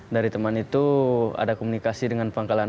dari teman itu ada komunikasi dengan pangkalan